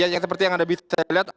yang seperti yang anda bisa lihat